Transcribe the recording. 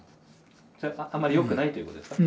あんまりよくないということですか？